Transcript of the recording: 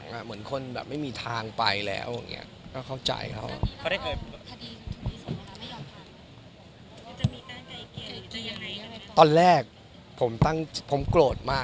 เมื่อกี้เท่าที่เจอตัวเขาเขาเป็นยังไงนะก่อนที่เขา